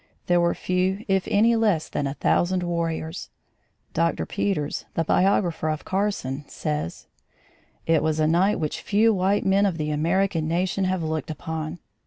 There were few if any less than a thousand warriors. Dr. Peters, the biographer of Carson, says: "It was a sight which few white men of the American nation have looked upon.